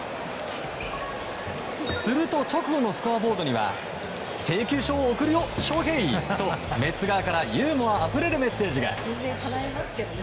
すると、直後のスコアボードには「請求書を送るよショウヘイ」とメッツ側からユーモアあふれるメッセージが。